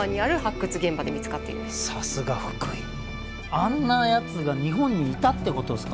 あんなやつが日本にいたってことですか？